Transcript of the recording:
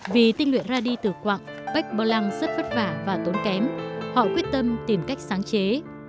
vì tinh luyện radii tử quặng bách polan rất vất vả và tốn kém họ quyết tâm tìm cách sáng chế